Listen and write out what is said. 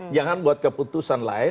jangan buat keputusan lain